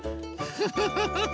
フフフフ。